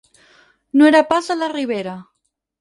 No era pas de la Ribera.